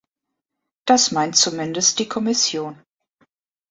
Das meint zumindest die Kommission.